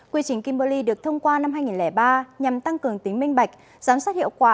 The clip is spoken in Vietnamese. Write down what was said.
quy trình kimberley được thông qua năm hai nghìn ba nhằm tăng cường tính minh bạch giám sát hiệu quả